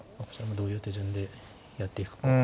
こちらもどういう手順でやっていくか。